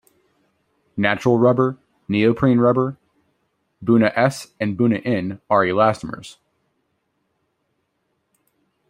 Natural rubber, neoprene rubber, buna-s and buna-n are elastomers.